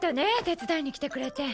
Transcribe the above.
手伝いに来てくれて。